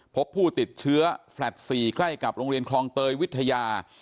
พบผู้ติดเชื้อแฟลต์๔ใกล้กับโรงเรียนคลองเตยวิทยา